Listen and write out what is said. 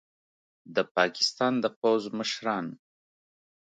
د پاکستان د پوځ مشران